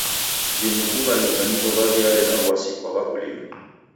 Vimu kughaluka nivo vaw'iareda w'asi kwa w'akulima.